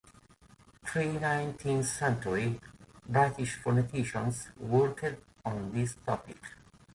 Three nineteenth-century British phoneticians worked on this topic.